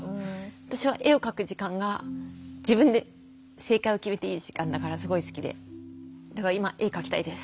私は絵を描く時間が自分で正解を決めていい時間だからすごい好きでだから今絵描きたいです。